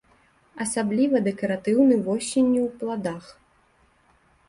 Асабліва дэкаратыўны восенню, у пладах.